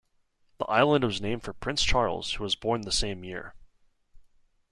The island was named for Prince Charles, who was born the same year.